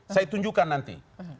saya tunjukkan nanti